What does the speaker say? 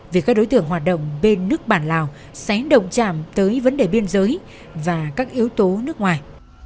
vì các đối tượng hoạt động bên nước bản lào sẽ động chạm tới vấn đề biên giới và các yếu tố nước ngoài